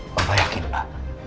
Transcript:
bapak yakin pak